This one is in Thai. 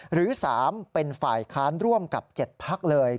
หรือ๓เป็นฝ่ายค้านร่วมกับ๗พักเลย